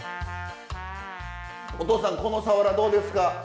お父さんこのサワラどうですか？